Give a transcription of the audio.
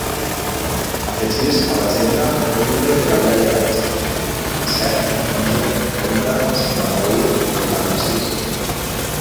Afegeix a l'agenda el número del Yahya Granja: set, onze, trenta, cinquanta-u, vuitanta-sis.